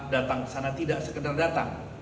datang ke sana tidak sekedar datang